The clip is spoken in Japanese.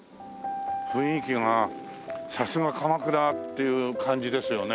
雰囲気がさすが鎌倉っていう感じですよね。